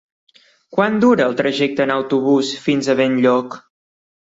Quant dura el trajecte en autobús fins a Benlloc?